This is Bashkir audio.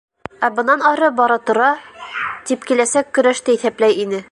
Ә бынан ары бара-тора... — тип киләсәк көрәште иҫәпләй ине.